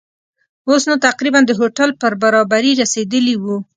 اوس نو تقریباً د هوټل پر برابري رسېدلي وو.